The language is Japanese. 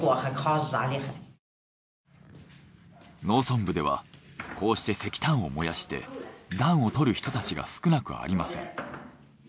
農村部ではこうして石炭を燃やして暖を取る人たちが少なくありません。